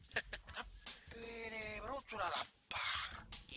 ini perut sudah lapar